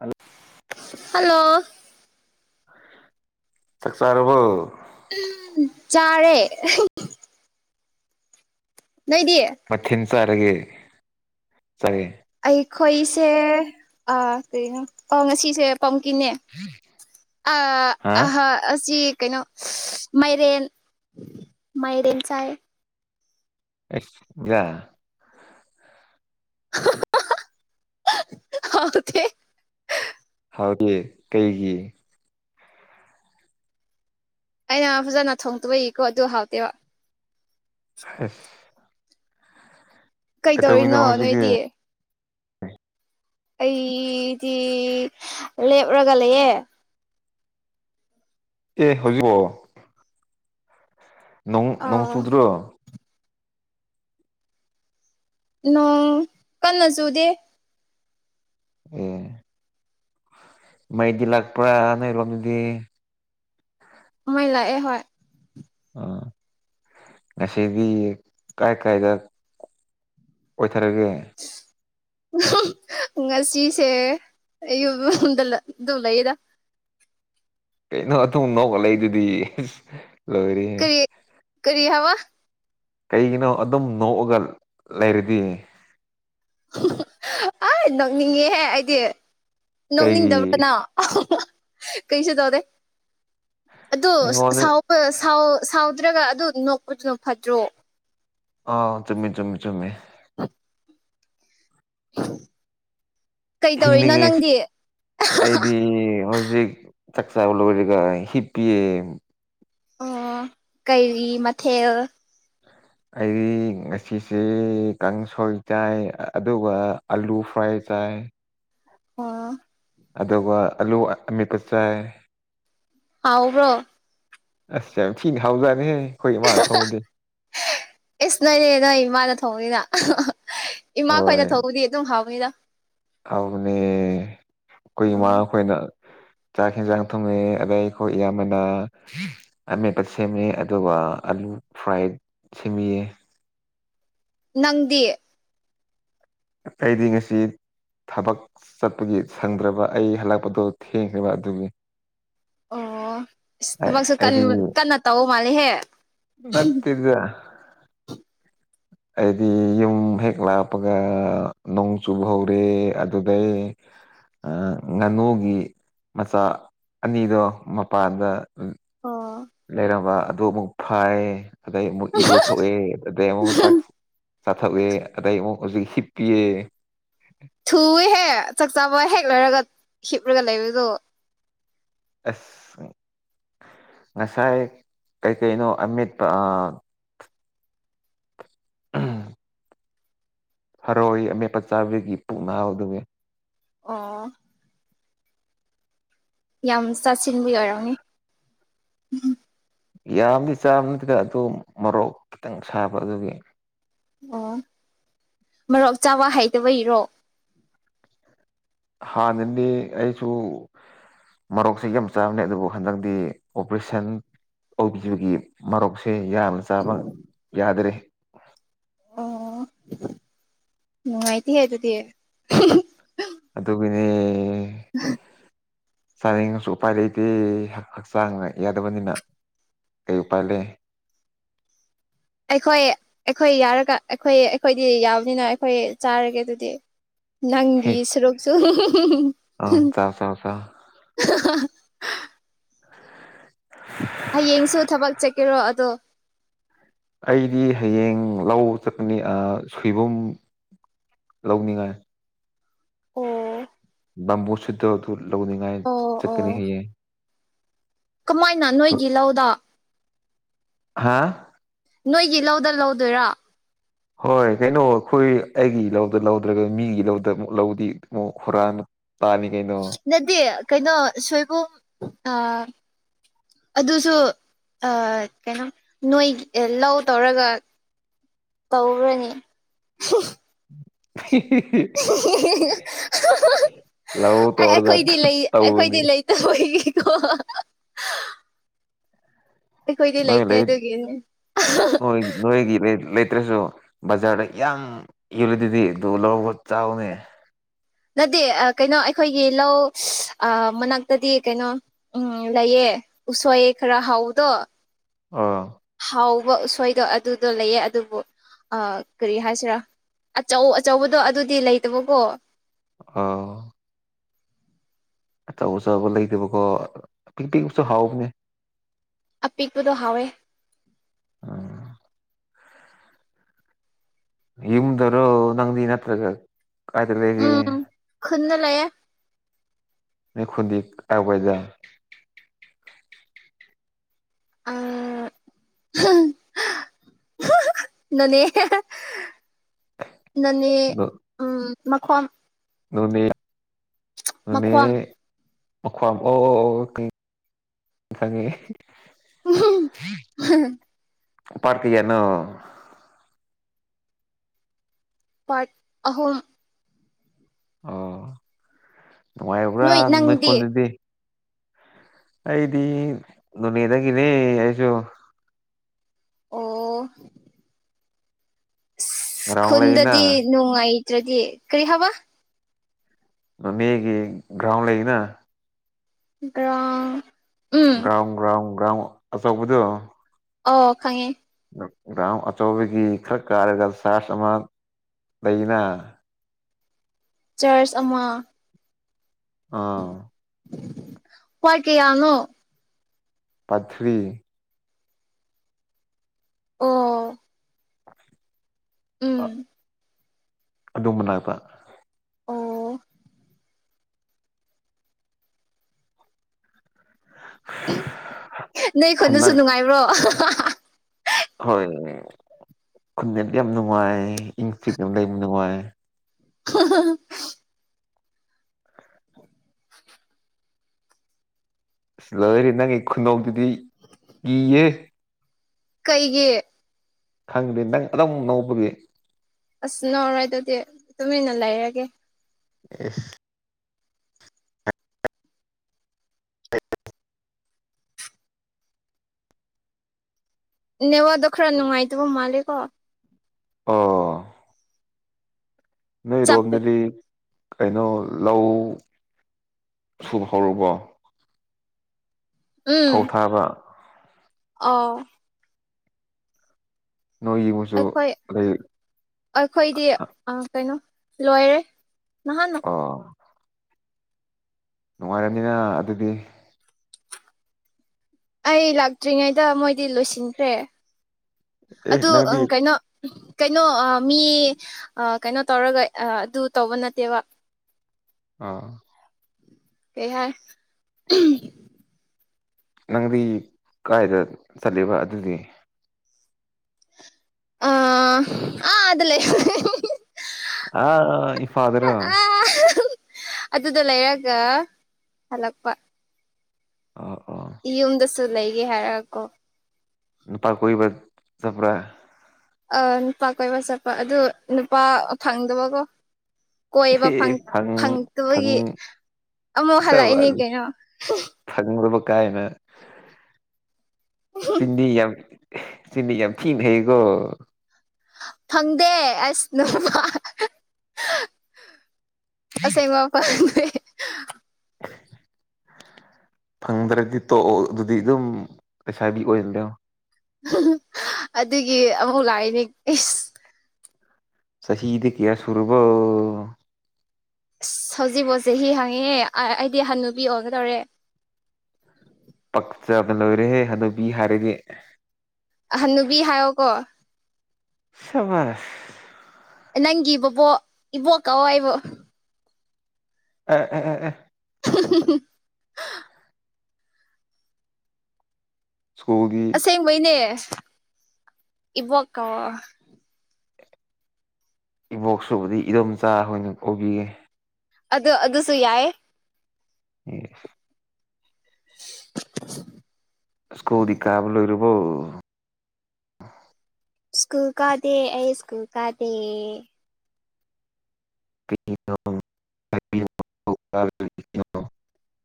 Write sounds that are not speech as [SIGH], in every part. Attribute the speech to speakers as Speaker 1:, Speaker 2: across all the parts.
Speaker 1: hello
Speaker 2: hello
Speaker 1: ꯆꯛꯆꯔꯕꯣ
Speaker 2: ꯆꯔꯦ ꯅꯣꯏꯗꯤꯌꯦ
Speaker 1: ꯁꯔꯒꯤ ꯁꯔꯦ
Speaker 2: ꯑꯩꯈꯣꯏꯁꯦ ꯑ ꯀꯩꯅꯣ ꯉꯁꯤꯁꯦ ꯄꯝꯀꯤꯅꯦ
Speaker 1: ꯍꯥ
Speaker 2: ꯑꯍ ꯑꯁꯤ ꯀꯩꯅꯣ ꯃꯥꯏꯔꯦꯟ ꯃꯥꯏꯔꯦꯟ ꯆꯥꯏ
Speaker 1: ꯌꯥ
Speaker 2: ꯍ ꯊꯦ
Speaker 1: ꯍꯗꯦ ꯀꯩꯒꯤ
Speaker 2: ꯑꯩꯅ ꯐꯖꯅ ꯊꯣꯡꯗꯕ ꯏꯀꯣ ꯑꯗꯨ ꯍꯥꯎꯇꯦꯕ
Speaker 1: ꯑꯁ
Speaker 2: ꯀꯩꯗꯧꯔꯤꯅꯣ ꯅꯣꯏꯗꯤ ꯑꯩꯗꯤ ꯂꯦꯞꯔꯒ ꯂꯩꯑ
Speaker 1: ꯑꯦ ꯍꯧꯖꯤꯕ ꯣꯡ ꯅꯣꯡ
Speaker 2: ꯑꯥ
Speaker 1: ꯆꯨꯗ꯭ꯔꯣ
Speaker 2: ꯅꯣꯡ ꯀꯟꯅꯖꯨꯗꯦ
Speaker 1: ꯑꯦ ꯃꯩꯗꯤ ꯂꯥꯛꯄ꯭ꯔꯥ ꯅꯣꯏꯔꯣꯝꯗꯨꯗꯤ
Speaker 2: ꯃꯥꯏ ꯂꯥꯛ ꯑꯦ ꯍꯣꯏ
Speaker 1: ꯑꯥ ꯉꯁꯤꯗꯤ ꯀꯥꯏ ꯀꯥꯏꯗ ꯑꯣꯏꯊꯔꯒꯦ
Speaker 2: ꯉꯁꯤꯁꯦ ꯑꯌꯨꯝ ꯌꯗ ꯑꯗꯨꯝ ꯂꯩꯗ
Speaker 1: ꯀꯩꯅꯣ ꯑꯗꯨꯝ ꯅꯣꯛꯒꯂꯗꯨꯗꯤ ꯂꯣꯏꯔ
Speaker 2: ꯀꯔꯤ ꯀꯔꯤ ꯍꯥꯋꯥ
Speaker 1: ꯀꯩꯒꯤꯅꯣ ꯑꯗꯨꯝ ꯅꯣꯛꯑꯒ ꯂꯩꯔꯗꯤ
Speaker 2: ꯑ ꯅꯣꯛꯅꯤꯡꯉꯦꯍꯦ ꯑꯩꯗꯤ
Speaker 1: ꯀꯩꯒꯤ
Speaker 2: ꯅꯣꯛꯅꯤꯡꯗꯕ꯭ꯔꯥꯅ ꯀꯩꯁꯨ ꯇꯧꯗꯦ ꯑꯗꯨ
Speaker 1: ꯑꯩꯉꯣꯟꯗ
Speaker 2: ꯁꯥꯎꯗ꯭ꯔꯒ ꯑꯗꯨ ꯅꯣꯛꯄꯗꯨꯅ ꯐꯗ꯭ꯔꯣ
Speaker 1: ꯑ ꯆꯨꯝꯃꯤꯃꯤ ꯆꯨꯝꯃꯤ ꯆꯨꯝꯃꯤꯃꯦ
Speaker 2: ꯎ ꯍ
Speaker 1: ꯍꯤꯡꯅꯤꯡꯉꯤꯁꯤ ꯑꯩꯗꯤ ꯍꯧꯖꯤꯛ ꯆꯥꯛ ꯆꯥꯕ ꯂꯣꯢꯔꯒ ꯍꯤꯞꯄꯤꯌꯦ
Speaker 2: ꯑꯣ ꯀꯩꯔꯤ ꯃꯊꯦꯜ
Speaker 1: ꯑꯩ ꯉꯁꯤꯁꯦ ꯀꯥꯡꯁꯣꯏ ꯆꯥꯏ ꯑꯗꯨꯒ ꯑꯥꯂꯨ ꯐ꯭ꯔꯥꯏ ꯆꯥꯏ
Speaker 2: ꯑꯣ
Speaker 1: ꯑꯗꯨꯒ ꯑꯂꯨ ꯑꯃꯦꯄ ꯆꯥꯏ
Speaker 2: ꯍꯥꯎꯕ꯭ꯔꯣ
Speaker 1: ꯑꯁ ꯌꯥꯝ ꯊꯤꯅ ꯍꯥꯎꯖꯥꯅꯤꯍꯦ
Speaker 2: ꯏꯁ ꯅꯣꯏꯅꯦ ꯅꯣꯏ ꯏꯃꯥꯅ ꯊꯣꯡꯅꯤꯅ ꯏꯃꯥ ꯈꯣꯏꯅ ꯊꯧꯕꯗꯤ ꯑꯗꯨꯝ ꯍꯥꯎꯅꯤꯅ
Speaker 1: ꯑꯗꯨꯅꯦ ꯑꯩꯈꯣꯏ ꯏꯃꯥ
Speaker 2: ꯎꯝ
Speaker 1: ꯈꯣꯏꯅ ꯆꯥꯛ ꯍꯟꯖꯥꯡ ꯊꯣꯡꯏ ꯑꯗꯩ ꯑꯩꯈꯣꯏ ꯏꯌꯥꯝꯕꯅ ꯑꯃꯦꯠꯄ ꯁꯦꯝꯃꯤ ꯑꯗꯨꯒ ꯑꯂꯨ ꯐ꯭ꯔꯥꯏꯠ ꯁꯤꯝꯃꯤꯌꯦ
Speaker 2: ꯅꯪꯗꯤ
Speaker 1: ꯑꯩꯗꯤ ꯉꯁꯤ ꯊꯕꯛ ꯆꯠꯄꯒꯤ ꯁꯪꯗ꯭ꯔꯕ ꯑꯩ ꯍꯜꯂꯛꯄꯗꯣ ꯊꯦꯡꯈ꯭ꯔꯕ ꯑꯗꯨꯒꯤ
Speaker 2: ꯑꯣ
Speaker 1: ꯑꯩ
Speaker 2: ꯊꯕꯛꯁꯨ
Speaker 1: ꯑꯩꯗꯤ
Speaker 2: ꯀꯟꯅ ꯇꯧ ꯃꯥꯜꯂꯦꯍꯦ
Speaker 1: ꯅꯠꯇꯦꯗ ꯍꯥꯏꯗꯤ ꯌꯨꯝ ꯍꯦꯛ ꯂꯥꯞꯄꯒ ꯅꯣꯡ ꯆꯨꯕ ꯍꯧꯔꯦ ꯑꯗꯨꯗꯩ ꯉꯥꯅꯨꯒꯤ ꯃꯆꯥ ꯑꯅꯤꯗꯣ ꯃꯄꯥꯟꯗ
Speaker 2: ꯑꯣ
Speaker 1: ꯂꯩꯔꯝꯕ ꯑꯗꯨ ꯑꯃꯨꯛ ꯐꯥꯏ ꯑꯗꯩ ꯑꯃꯨꯛ ꯏꯔꯨꯊꯣꯛꯑꯦ ꯑꯗꯩ ꯑꯃꯨꯛ ꯆꯥꯛ ꯆꯥꯊꯣꯛꯑꯦ ꯑꯗꯩ ꯑꯃꯨꯛ ꯍꯧꯖꯤꯛ ꯍꯤꯄꯤꯌꯦ
Speaker 2: ꯊꯨꯏꯍꯦ ꯆꯥꯛ ꯆꯥꯕ ꯍꯦꯛ ꯂꯩꯏꯔꯒ ꯍꯤꯞꯂꯒ ꯂꯩꯕꯗꯣ
Speaker 1: ꯑꯁ ꯉꯁꯥꯏ ꯀꯩꯀꯩꯅꯣ ꯑꯃꯤꯠ ꯍꯔꯣꯏ ꯑꯃꯦꯠꯄ ꯆꯥꯕꯤꯒꯤ ꯄꯨꯛꯅꯥꯎꯗꯦ
Speaker 2: ꯑꯣ ꯌꯥꯝ ꯆꯥꯁꯤꯟꯕ ꯑꯣꯏꯔꯝꯅꯤ
Speaker 1: ꯌꯥꯝꯗꯤ ꯆꯥꯕ ꯅꯠꯇꯦꯗ ꯑꯗꯨ ꯃꯣꯔꯣꯛ ꯈꯤꯇꯪ ꯁꯥꯕ ꯑꯗꯨꯒꯤ
Speaker 2: ꯑꯣ ꯃꯔꯣꯛ ꯆꯥꯕ ꯍꯩꯇꯕꯩꯔꯣ
Speaker 1: ꯍꯥꯥꯅꯅꯤ ꯑꯩꯁꯨ ꯃꯔꯣꯛꯁꯤ ꯌꯥꯝ ꯆꯥꯅꯤ ꯑꯗꯨꯕꯨ ꯍꯟꯗꯛꯗꯤ ꯑꯣꯄꯔꯦꯁꯟ ꯑꯣꯏꯕꯤꯕꯒꯤ ꯃꯔꯣꯛꯁꯦ ꯌꯥꯝꯅ ꯆꯥꯕ ꯌꯥꯗꯔꯦ
Speaker 2: ꯑꯣ ꯅꯨꯡꯉꯥꯏꯇ ꯍꯥꯏ ꯑꯗꯨꯗꯤ
Speaker 1: ꯑꯗꯨꯗ ꯃꯤꯅꯦ ꯆꯥꯅꯤꯡꯉꯁꯨ ꯎꯄꯥꯏ ꯂꯩꯇꯦꯛ ꯍꯛꯆꯥꯡ ꯌꯥꯗꯕꯅꯤꯅ ꯑꯩ ꯄꯥꯏ ꯂꯩ
Speaker 2: ꯑꯩꯈꯣꯏ ꯑꯩꯈꯣꯏ ꯌꯥꯔꯒ ꯑꯩꯈꯣꯏ ꯑꯩꯈꯣꯏꯗꯤ ꯌꯥꯕꯅꯤꯅ ꯑꯩꯈꯣꯏ ꯆꯥꯔꯒꯦ ꯑꯗꯨꯗꯤ ꯅꯪꯒꯤ ꯁꯔꯣꯛꯛꯁꯨ
Speaker 1: ꯑ ꯆ ꯐꯥꯎ ꯀ
Speaker 2: ꯑ ꯍꯌꯦꯡꯁꯨ ꯊꯕꯛ ꯆꯠꯀꯦꯔꯣ ꯑꯗꯣ
Speaker 1: ꯑꯩꯗꯤ ꯍꯌꯦꯡ ꯂꯧ ꯆꯠꯄꯅꯤ ꯁꯣꯏꯕꯨꯝ ꯂꯧꯅꯤꯡꯉꯥꯏ
Speaker 2: ꯑꯣ
Speaker 1: ꯅꯝꯕꯨ ꯁꯤꯗ ꯑꯗꯨ ꯂꯧꯅꯤꯡꯉꯥꯏ
Speaker 2: ꯑꯣ
Speaker 1: ꯆꯠꯀꯅꯤ
Speaker 2: ꯑꯣ
Speaker 1: ꯍꯥꯏꯌꯦ
Speaker 2: ꯀꯃꯥꯏꯅ ꯅꯣꯏꯒꯤ ꯂꯧꯗ
Speaker 1: ꯍꯥꯥ
Speaker 2: ꯅꯣꯏꯒꯤ ꯂꯧꯗ ꯂꯧꯗꯣꯏꯔꯥ
Speaker 1: ꯍꯣꯏ ꯀꯩꯅꯣ ꯑꯩꯈꯣꯏ ꯑꯩꯒꯤ ꯂꯧꯗ ꯂꯧꯗ꯭ꯔꯒ ꯃꯤꯒꯤ ꯂꯧꯗ ꯑꯃꯨꯛ ꯂꯧꯗꯤ ꯑꯃꯨꯛ ꯍꯨꯔꯅ
Speaker 2: ꯅꯗꯤ ꯀꯩꯅꯣ ꯁꯣꯏꯕꯨꯝ ꯑ ꯑꯗꯨꯁꯨ ꯀꯩꯅꯣ ꯅꯣꯏ ꯂꯧ ꯇꯧꯔꯒ ꯇꯧꯈ꯭ꯔꯅꯤ [UNINTELLIGIBLE]
Speaker 1: ꯂꯧ
Speaker 2: ꯑꯩ
Speaker 1: ꯇꯧꯔꯒ
Speaker 2: ꯑꯩꯈꯣꯏꯗꯤ ꯂꯩ
Speaker 1: ꯇꯧꯔꯨꯅꯤ
Speaker 2: ꯑꯩꯈꯣꯏꯗꯤ ꯂꯩꯇꯕ ꯑꯩꯈꯣꯏꯗꯤ
Speaker 1: ꯅꯣꯏꯣꯏ
Speaker 2: ꯂꯩꯇꯦ
Speaker 1: ꯂꯩꯣꯏ
Speaker 2: ꯑꯗꯨꯒꯤꯅꯦ
Speaker 1: ꯅꯣꯏꯒꯤ ꯂꯩ ꯂꯩ ꯂꯩꯠꯇ꯭ꯔꯁꯨ ꯕꯖꯥꯔꯗ ꯌꯥꯝ ꯌꯣꯜꯂꯤꯗꯗꯤ ꯑꯗꯨ ꯂ ꯆꯥꯎꯅꯦ
Speaker 2: ꯅꯠꯇꯦ ꯀꯩꯅꯣ ꯑꯩꯈꯣꯏꯒꯤ ꯂꯧ ꯃꯅꯥꯛꯇꯗꯤ ꯀꯩꯅꯣ ꯎꯝ ꯂꯩꯌꯦ ꯎ ꯎꯆꯁ ꯑꯦ ꯈꯔ ꯍꯥꯎꯗꯣ
Speaker 1: ꯑꯥ
Speaker 2: ꯍꯥꯎꯕ ꯁꯣꯏꯗꯣ ꯑꯗꯨꯗꯣ ꯂꯩꯌꯦ ꯑꯗꯨꯕꯨ ꯀꯔꯤ ꯍꯥꯏꯁꯤꯔꯥ ꯑꯆꯧ ꯑꯆꯧꯕꯗꯣ ꯑꯗꯨꯗꯤ ꯂꯩꯇꯕꯀꯣ
Speaker 1: ꯑꯥ ꯑꯆꯧ ꯑꯆꯧꯕ ꯂꯩꯇꯕꯀꯣ ꯄꯤꯛ ꯄꯤꯁꯨ ꯍꯥꯎꯕꯅꯦ
Speaker 2: ꯑꯄꯤꯛꯄꯗꯣ ꯍꯥꯎꯋꯦ
Speaker 1: ꯑ ꯏꯃꯗꯔꯣ ꯅꯪꯗ ꯅꯠꯇꯒ ꯀꯥꯏꯗꯂ ꯍꯦꯒꯤ
Speaker 2: ꯂ
Speaker 1: ꯑꯩ ꯈꯨꯨꯗꯤ ꯇꯥꯛꯄꯖ
Speaker 2: ꯑ ꯅꯅꯦ ꯅꯅꯦ ꯎꯝ ꯃꯈꯈ
Speaker 1: ꯅꯅꯦ ꯅꯅꯦ
Speaker 2: ꯃꯈꯣꯝ
Speaker 1: ꯑꯣꯈ꯭ꯋꯥꯝ ꯑꯣ ꯈꯪꯉꯦ
Speaker 2: ꯎ
Speaker 1: ꯄꯥꯔꯀ ꯌꯦꯅꯣ
Speaker 2: ꯄꯥꯠ ꯑꯍꯨꯝ
Speaker 1: ꯑꯣ ꯅꯨꯡꯉꯥꯏꯕ꯭ꯔꯥ ꯅꯣꯏ ꯀꯣꯟꯗꯨꯗꯤ ꯑꯩꯗꯤ ꯅꯅꯤꯡ ꯌꯦꯪꯅꯦ ꯌꯁꯣ
Speaker 2: ꯑꯣ
Speaker 1: ꯒ꯭ꯔꯥꯎꯟ ꯂꯩꯅ
Speaker 2: ꯈꯨꯨꯟꯗꯤ ꯅꯅꯨꯡꯇ꯭ꯔꯗꯤ ꯀꯔꯤ ꯍꯥꯋꯥ
Speaker 1: ꯃꯒꯤ ꯭ꯔꯥꯎ ꯂꯩꯅ
Speaker 2: ꯭ꯔꯥ
Speaker 1: ꯭ꯔꯥꯎꯒ꯭ꯔꯥꯎ ꯭ꯔꯥꯎ ꯑꯆꯧꯗꯣ
Speaker 2: ꯑꯣ ꯈꯪꯉꯦ
Speaker 1: ꯔꯝ ꯑꯆꯧꯕꯒꯤ ꯈꯔ ꯀꯥꯔꯒ ꯁꯥꯔꯖ ꯑꯃ ꯂꯩꯅ
Speaker 2: ꯆꯔꯆ ꯑꯃ
Speaker 1: ꯑꯥ
Speaker 2: ꯋꯥꯔ ꯀꯌꯥꯅꯣ
Speaker 1: ꯄꯊꯔꯤ
Speaker 2: ꯑꯣ
Speaker 1: ꯑ
Speaker 2: ꯎꯝ
Speaker 1: ꯑꯗꯨꯝꯕꯅꯥꯕ
Speaker 2: ꯑꯣ ꯅꯣꯏ ꯈꯨꯣꯏꯅꯁꯨ
Speaker 1: ꯍꯟꯗꯛ
Speaker 2: ꯅꯨꯡꯉꯥꯏꯕ꯭ꯔꯣ
Speaker 1: ꯍꯣꯏ ꯈꯨꯟꯗꯗ ꯌꯥꯝ ꯅꯨꯡꯉꯥꯏ ꯏꯪ ꯆꯤꯛ ꯂꯩ ꯅꯨꯡꯉꯥꯏ
Speaker 2: ꯍꯍꯍ
Speaker 1: ꯂꯣꯏꯔꯦ ꯅꯪꯒꯤ ꯈꯨꯅꯣꯛꯗꯨꯗꯤ ꯀꯤꯌꯦ
Speaker 2: ꯀꯩꯒꯤ
Speaker 1: ꯈꯪꯗꯦ ꯅꯪ ꯑꯗꯨꯝ ꯅꯣꯛꯕꯒꯤ
Speaker 2: ꯑꯁ ꯅꯧꯔꯔꯣꯏ ꯑꯗꯨꯗꯤ ꯇꯨꯃꯤꯟꯅ ꯂꯩꯔꯒꯦ
Speaker 1: ꯑꯦ
Speaker 2: ꯅꯦꯋꯥꯗ ꯈꯔ ꯅꯨꯡꯉꯥꯏꯇꯕ ꯃꯥꯂꯦꯀꯣ
Speaker 1: ꯑꯥ
Speaker 2: ꯆꯞꯄꯦ
Speaker 1: ꯅꯣꯢꯔꯣꯝꯗꯗꯤ ꯀꯩꯅꯣ ꯂꯧ ꯁꯨꯕ ꯍꯧꯔꯕꯣ ꯐꯧ ꯊꯥꯕ
Speaker 2: ꯑꯧ
Speaker 1: ꯅꯣꯏ ꯌꯦꯡꯕꯁꯨ
Speaker 2: ꯑꯩꯈꯣꯏ
Speaker 1: ꯂꯩ
Speaker 2: ꯑꯩꯈꯣꯏꯗꯤ ꯀꯩꯅꯣ ꯂꯣꯏꯔꯦ ꯅꯍꯥꯟꯅ
Speaker 1: ꯑꯥ ꯅꯨꯡꯉꯥꯏꯔꯕꯝꯅꯤꯅ ꯑꯗꯨꯗꯤ
Speaker 2: ꯑꯩ ꯂꯥꯛꯇ꯭ꯔꯤꯉꯩꯗ ꯃꯣꯏꯗꯤ ꯂꯣꯏꯁꯤꯟꯈ꯭ꯔꯦ
Speaker 1: ꯑꯦ
Speaker 2: ꯑꯗꯨ
Speaker 1: ꯅꯪꯗꯤ
Speaker 2: ꯀꯩꯅꯣ ꯀꯩꯅꯣ ꯃꯤ ꯑ ꯀꯩꯅꯣ ꯇꯧꯔꯒ ꯑꯗꯨ ꯇꯧꯕ ꯅꯠꯇꯦꯕ
Speaker 1: ꯑꯥ
Speaker 2: ꯀꯩ ꯍꯥꯏ
Speaker 1: ꯅꯪꯗꯤ ꯀꯥꯏꯗ ꯆꯠꯂꯤꯕ ꯑꯗꯨꯗꯤ
Speaker 2: ꯑ ꯑꯥꯗꯂꯩ
Speaker 1: ꯑ ꯏꯝꯐꯥꯜꯗꯔꯣ
Speaker 2: ꯑꯥ ꯑꯗꯨꯗ ꯂꯩꯔꯒ ꯍꯜꯂꯛꯄ
Speaker 1: ꯑ ꯑꯣ
Speaker 2: ꯌꯨꯝꯗꯁꯨ ꯂꯩꯒꯦ ꯍꯥꯏꯔꯒ ꯀꯣ
Speaker 1: ꯅꯨꯄꯥ ꯀꯣꯏꯕ ꯆꯄ꯭ꯔꯥ
Speaker 2: ꯑ ꯅꯨꯄꯥ ꯀꯣꯏꯕ ꯆꯠꯄ ꯑꯗꯨ ꯅꯨꯄꯥ ꯐꯪꯗꯕꯀꯣ ꯀꯣꯏꯕ ꯐꯪ
Speaker 1: ꯐꯪ
Speaker 2: ꯐꯪꯇꯕꯒꯤ ꯑꯃꯨꯛ
Speaker 1: ꯆꯕ
Speaker 2: ꯍꯜꯂꯛꯏꯅꯦ ꯀꯩꯅꯣ
Speaker 1: ꯐꯪꯗꯕ ꯀꯥꯏꯅ ꯁꯤꯗꯤ ꯌꯥꯝ ꯁꯤꯗꯤ ꯌꯥꯝ ꯌꯥꯝ ꯊꯤ ꯍꯩꯒꯣ
Speaker 2: ꯐꯪꯗꯦ ꯑꯁ ꯅꯨꯕꯥ ꯑꯁ ꯏ ꯃꯥꯄꯦ
Speaker 1: [INAUDIBLE] ꯐꯪꯗ꯭ꯔꯒꯗꯤ ꯇꯣꯛꯑꯣ ꯑꯗꯨꯗꯤ ꯑꯗꯨꯝ ꯄꯩꯁꯥꯕꯤ ꯑꯣꯏꯍꯟꯗꯣ
Speaker 2: ꯑꯗꯨꯒꯤ ꯑꯃꯨꯛ ꯂꯥꯛꯏꯅꯦ ꯑꯦꯁ
Speaker 1: ꯁꯍꯤꯗꯤ ꯀꯌꯥ ꯁꯨꯔꯕꯣ
Speaker 2: ꯑꯁ ꯍꯧꯖꯤꯛꯕꯣꯁꯦ ꯍꯤ ꯍꯪꯉꯤꯌꯦ ꯑꯩꯗꯤ ꯍꯟꯅꯨꯨꯕꯤ ꯑꯣꯏꯒꯗꯧꯔꯦ
Speaker 1: ꯄꯛꯆꯕꯅ ꯂꯣꯏꯔꯦꯍꯦ ꯍꯥꯅꯨꯕꯤ ꯍꯥꯏꯔꯗꯤ
Speaker 2: ꯍꯥꯅꯨꯕꯤ ꯍꯥꯏꯌꯣꯀꯣ
Speaker 1: ꯁꯥꯕꯁ
Speaker 2: ꯅꯪꯒꯤ ꯕꯨꯕꯣꯛ ꯏꯕꯣꯛ ꯀꯧꯑꯣ ꯑꯩꯕꯨ
Speaker 1: ꯎ ꯎ ꯎ
Speaker 2: ꯗꯦ
Speaker 1: ꯁ꯭ꯀꯨꯜꯒꯤ
Speaker 2: ꯑꯁꯦꯡꯕꯩꯅꯦ ꯏꯕꯣꯛ ꯀꯧꯔꯛꯑꯣ
Speaker 1: ꯏꯕꯣꯛ ꯁꯤ ꯄꯨꯗꯤ ꯏꯗꯣꯝꯆꯥꯏ ꯑꯣꯏꯅꯥ ꯀꯧꯕꯤꯒꯦ
Speaker 2: ꯑꯗꯨ ꯑꯗꯨꯁꯨ ꯌꯥꯏ
Speaker 1: ꯎ ꯏꯁꯀꯨꯜꯗꯤ ꯀꯥꯕꯥ ꯂꯣꯏꯔꯕꯣ
Speaker 2: ꯁ꯭ꯀꯨꯜ ꯀꯥꯗꯦ ꯑꯩ ꯁ꯭ꯀꯨꯜ ꯀꯥꯗꯦ
Speaker 1: ꯗ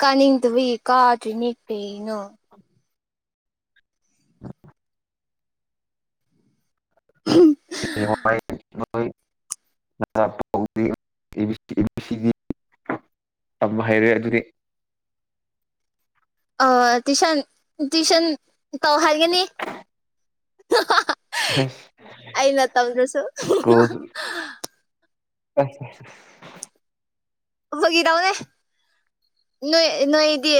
Speaker 2: ꯀꯅꯤꯡꯇꯕꯒꯤ ꯀꯗꯔ꯭ꯤꯅꯦ ꯀꯔꯤꯅꯣ
Speaker 1: ꯍꯥꯏ ꯍꯤ ꯌꯥꯝ ꯍꯩꯔꯦ ꯑꯗꯨꯗꯤ
Speaker 2: ꯑ ꯇꯨꯏꯁꯟ ꯇꯨꯏꯁꯟ ꯇꯧ ꯍꯥꯏꯒꯅꯤ
Speaker 1: ꯑꯁ
Speaker 2: ꯑꯩꯅ ꯇꯧꯗ꯭ꯔꯁꯨ
Speaker 1: ꯑꯆꯥ
Speaker 2: ꯐꯥꯒꯤ ꯇꯧꯅꯦ ꯅꯣꯏ ꯅꯣꯏꯗꯤ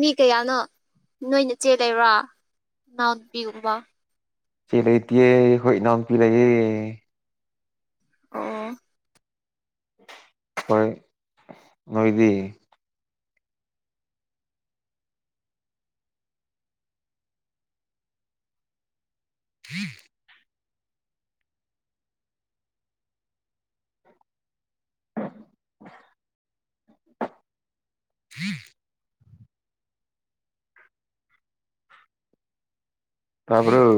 Speaker 2: ꯃꯤ ꯀꯌꯥꯅꯣ ꯅꯣꯏꯅ ꯆꯦ ꯂꯩꯕ꯭ꯔꯥ ꯅꯅꯥꯎꯄꯤ ꯒꯨꯝꯕꯥ
Speaker 1: ꯏꯆꯦ ꯂꯩꯇꯤꯌꯦ ꯑꯩꯈꯣꯏ ꯏꯅꯥꯎꯄꯤ ꯂꯩꯌꯦ
Speaker 2: ꯑꯣ
Speaker 1: ꯍꯣꯏ ꯅꯣꯏꯗꯤ ꯎꯝ ꯎꯝ ꯇꯕꯔꯣ